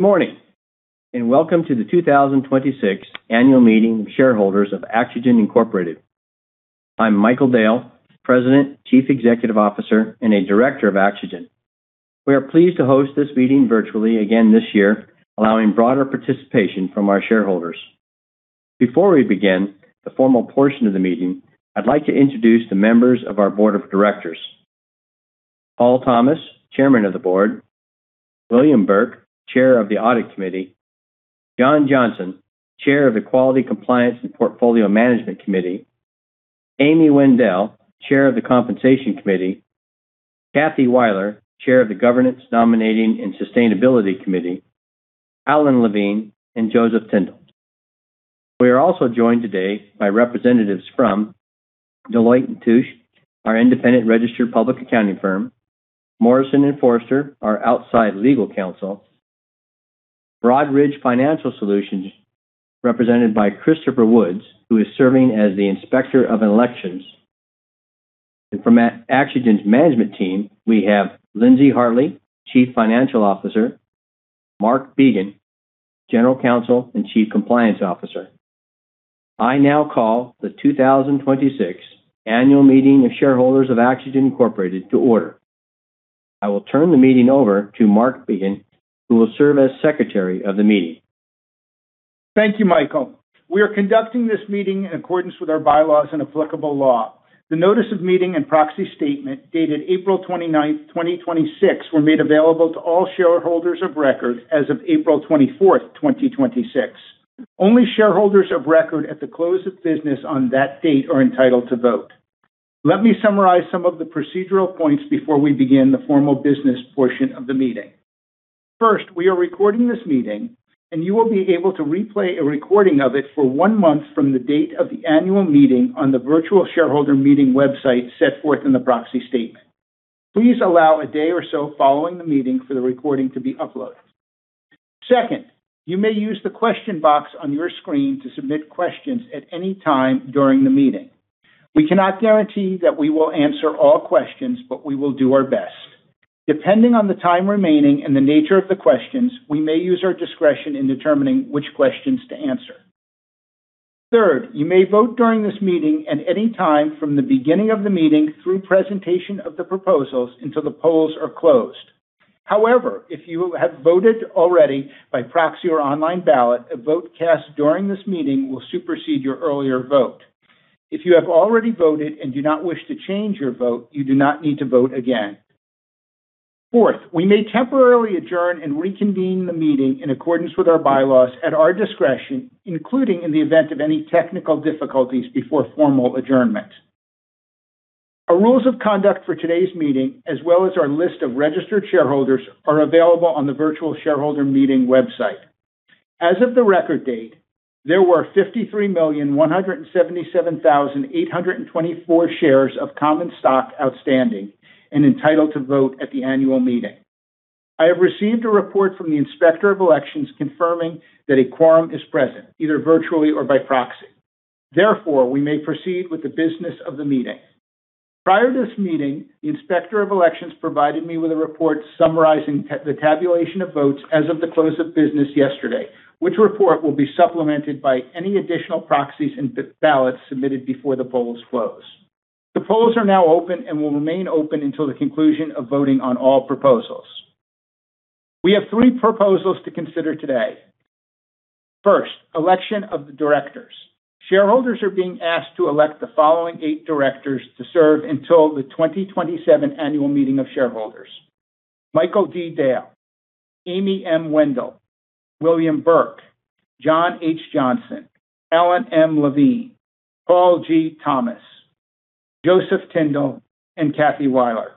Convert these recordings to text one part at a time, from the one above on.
Good morning, and welcome to the 2026 annual meeting of shareholders of AxoGen Incorporated. I'm Michael Dale, President, Chief Executive Officer, and a Director of AxoGen. We are pleased to host this meeting virtually again this year, allowing broader participation from our shareholders. Before we begin the formal portion of the meeting, I'd like to introduce the members of our Board of Directors. Paul Thomas, Chairman of the Board, William Burke, Chair of the Audit Committee, John Johnson, Chair of the Quality, Compliance, and Portfolio Management Committee, Amy Wendell, Chair of the Compensation Committee, Kathy Weiler, Chair of the Governance, Nominating, and Sustainability Committee, Alan Levine, and Joseph Tyndall. We are also joined today by representatives from Deloitte & Touche, our independent registered public accounting firm, Morrison & Foerster, our outside legal counsel, Broadridge Financial Solutions, represented by Christopher Woods, who is serving as the Inspector of Elections. From AxoGen's management team, we have Lindsey Hartley, Chief Financial Officer, Marc Began, General Counsel and Chief Compliance Officer. I now call the 2026 annual meeting of shareholders of AxoGen Incorporated to order. I will turn the meeting over to Marc Began, who will serve as Secretary of the Meeting. Thank you, Michael. We are conducting this meeting in accordance with our bylaws and applicable law. The notice of meeting and proxy statement dated April 29, 2026, were made available to all shareholders of record as of April 24, 2026. Only shareholders of record at the close of business on that date are entitled to vote. Let me summarize some of the procedural points before we begin the formal business portion of the meeting. First, we are recording this meeting, and you will be able to replay a recording of it for one month from the date of the annual meeting on the virtual shareholder meeting website set forth in the proxy statement. Please allow a day or so following the meeting for the recording to be uploaded. Second, you may use the question box on your screen to submit questions at any time during the meeting. We cannot guarantee that we will answer all questions, but we will do our best. Depending on the time remaining and the nature of the questions, we may use our discretion in determining which questions to answer. Third, you may vote during this meeting at any time from the beginning of the meeting through presentation of the proposals until the polls are closed. However, if you have voted already by proxy or online ballot, a vote cast during this meeting will supersede your earlier vote. If you have already voted and do not wish to change your vote, you do not need to vote again. Fourth, we may temporarily adjourn and reconvene the meeting in accordance with our bylaws at our discretion, including in the event of any technical difficulties before formal adjournment. Our rules of conduct for today's meeting, as well as our list of registered shareholders, are available on the virtual shareholder meeting website. As of the record date, there were 53,177,824 shares of common stock outstanding and entitled to vote at the annual meeting. I have received a report from the Inspector of Elections confirming that a quorum is present, either virtually or by proxy. Therefore, we may proceed with the business of the meeting. Prior to this meeting, the Inspector of Elections provided me with a report summarizing the tabulation of votes as of the close of business yesterday, which report will be supplemented by any additional proxies and ballots submitted before the polls close. The polls are now open and will remain open until the conclusion of voting on all proposals. We have three proposals to consider today. First, election of the directors. Shareholders are being asked to elect the following eight directors to serve until the 2027 annual meeting of shareholders: Michael D. Dale, Amy M. Wendell, William Burke, John H. Johnson, Alan M. Levine, Paul G. Thomas, Joseph Tyndall, and Kathy Weiler.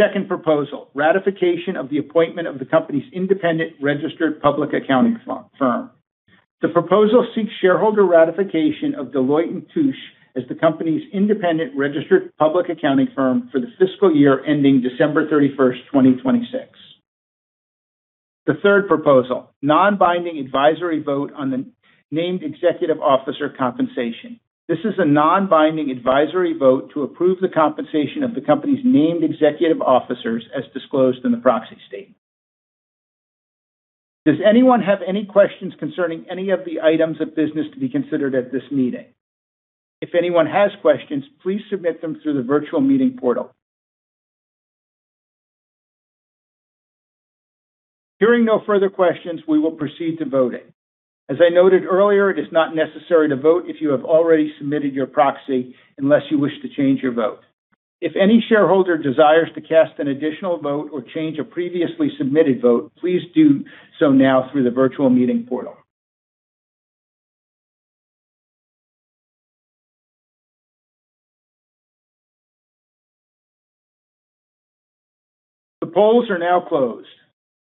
Second proposal, ratification of the appointment of the company's independent registered public accounting firm. The proposal seeks shareholder ratification of Deloitte & Touche as the company's independent registered public accounting firm for the fiscal year ending December 31st, 2026. The third proposal, non-binding advisory vote on the named executive officer compensation. This is a non-binding advisory vote to approve the compensation of the company's named executive officers as disclosed in the proxy statement. Does anyone have any questions concerning any of the items of business to be considered at this meeting? If anyone has questions, please submit them through the virtual meeting portal. Hearing no further questions, we will proceed to voting. As I noted earlier, it is not necessary to vote if you have already submitted your proxy unless you wish to change your vote. If any shareholder desires to cast an additional vote or change a previously submitted vote, please do so now through the virtual meeting portal. The polls are now closed.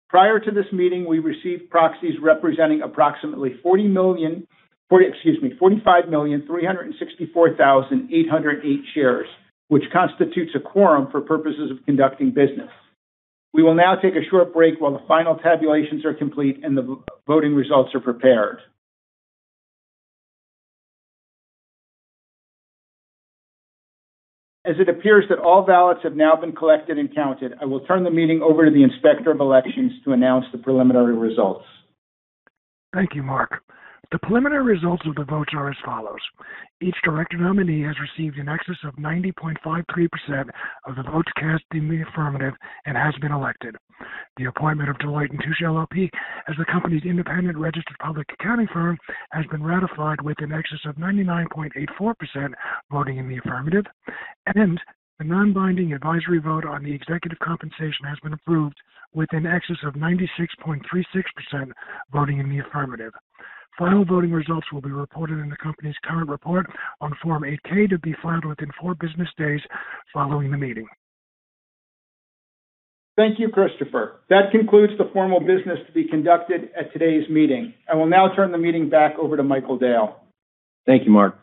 Prior to this meeting, we received proxies representing approximately 45,364,808 shares, which constitutes a quorum for purposes of conducting business. We will now take a short break while the final tabulations are complete and the voting results are prepared. As it appears that all ballots have now been collected and counted, I will turn the meeting over to the Inspector of Elections to announce the preliminary results. Thank you, Marc. The preliminary results of the votes are as follows. Each director nominee has received in excess of 90.53% of the votes cast in the affirmative and has been elected. The appointment of Deloitte & Touche LLP as the company's independent registered public accounting firm has been ratified with an excess of 99.84% voting in the affirmative, and the non-binding advisory vote on the executive compensation has been approved with an excess of 96.36% voting in the affirmative. Final voting results will be reported in the company's current report on Form 8-K to be filed within four business days following the meeting. Thank you, Christopher. That concludes the formal business to be conducted at today's meeting. I will now turn the meeting back over to Michael Dale. Thank you, Marc.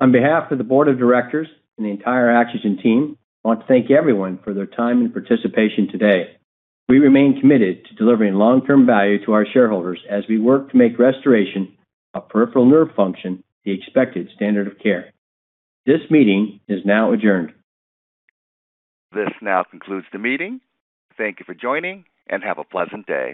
On behalf of the board of directors and the entire AxoGen team, I want to thank everyone for their time and participation today. We remain committed to delivering long-term value to our shareholders as we work to make restoration of peripheral nerve function the expected standard of care. This meeting is now adjourned. This now concludes the meeting. Thank you for joining, and have a pleasant day.